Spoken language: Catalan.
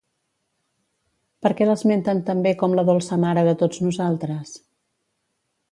Per què l'esmenten també com la dolça Mare de tots nosaltres?